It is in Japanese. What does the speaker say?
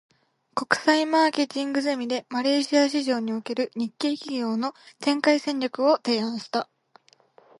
国際マーケティングゼミで、マレーシア市場における日系企業の展開戦略を提案した。